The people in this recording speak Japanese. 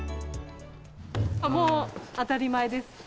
もう当たり前です。